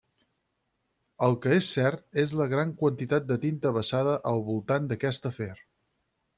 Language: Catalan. El que és cert és la gran quantitat de tinta vessada al voltant d'aquest afer.